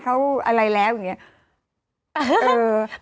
เขาอะไรแล้วอย่างนี้